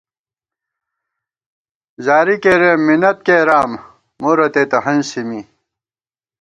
زاری کېرېم مِنت کېرام، مو رتئ تہ ہنسی می